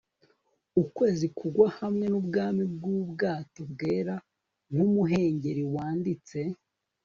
ukwezi kugwa hamwe nubwami bwubwato, bwera nkumuhengeri-wanditse